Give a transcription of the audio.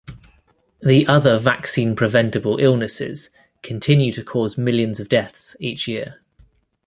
The other vaccine-preventable illnesses continue to cause millions of deaths each year.